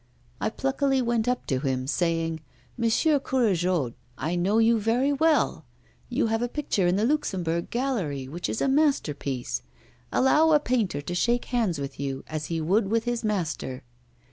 I pluckily went up to him, saying, "Monsieur Courajod, I know you very well; you have a picture in the Luxembourg Gallery which is a masterpiece. Allow a painter to shake hands with you as he would with his master."